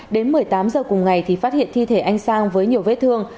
đến một mươi tám h cùng ngày thì phát hiện thi thể anh sang với nhiều vết thương